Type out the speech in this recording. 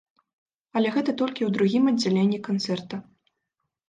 Але гэта толькі ў другім аддзяленні канцэрта.